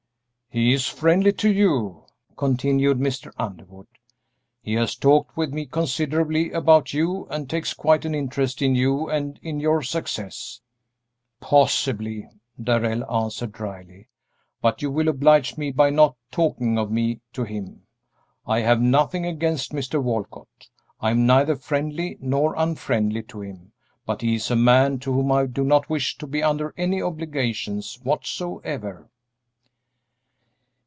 "He is friendly to you," continued Mr. Underwood; "he has talked with me considerably about you and takes quite an interest in you and in your success." "Possibly," Darrell answered, dryly; "but you will oblige me by not talking of me to him. I have nothing against Mr. Walcott; I am neither friendly nor unfriendly to him, but he is a man to whom I do not wish to be under any obligations whatsoever."